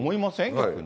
逆に。